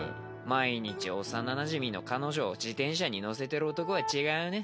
毎日幼なじみの彼女を自転車に乗せてる男は違うね。